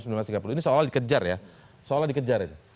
ini seolah olah dikejar ya seolah olah dikejar